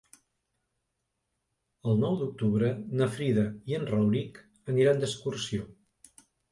El nou d'octubre na Frida i en Rauric aniran d'excursió.